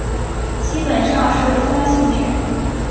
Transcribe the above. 基本上是酸性泉。